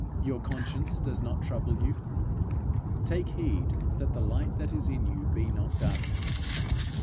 Your conscience does not trouble you? Take heed that the light that is in you be not darkness.